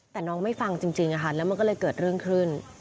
แต่น้องไม่ฟังจริงแล้วมันก็เลยเกิดเรื่องขึ้น